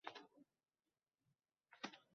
Turkmaniston Prezidenti Toshkentga keldi